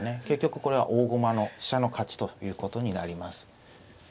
結局これは大駒の飛車の勝ちということになります。